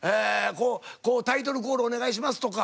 こうタイトルコールお願いしますとか。